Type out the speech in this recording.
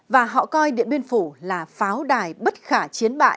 và họ coi điện biên phủ là pháo đài bất khả chiến bại